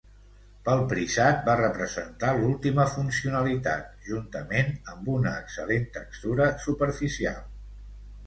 Pel prisat va representar l'última funcionalitat, juntament amb una excel·lent textura superficial.